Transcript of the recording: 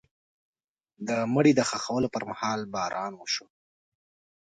د مړي د ښخولو پر مهال باران وشو.